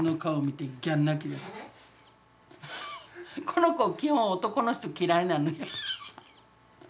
この子基本男の人嫌いなのよ。